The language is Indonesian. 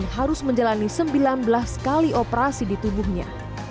harus menjalani sembilan belas kali operasi di tubuhnya